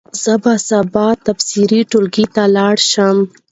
زه به سبا د تفسیر ټولګي ته ولاړ شم.